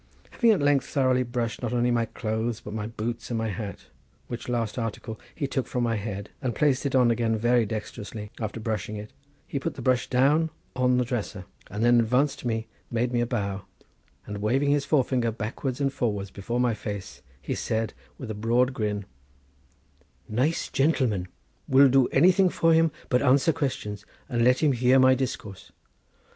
Having at length thoroughly brushed not only my clothes, but my boots and my hat, which last article he took from my head, and placed on again very dexterously, after brushing it, he put the brush down on the dresser, and then advancing to me made me a bow, and waving his forefinger backwards and forwards before my face, he said, with a broad grin: "Nice gentleman—will do anything for him but answer questions, and let him hear my discourse.